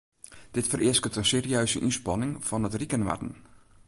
Dit fereasket in serieuze ynspanning fan it rike noarden.